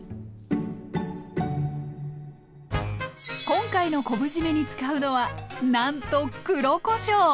今回の昆布じめに使うのはなんと黒こしょう。